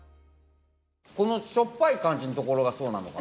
このしょっぱい感じのところがそうなのかな？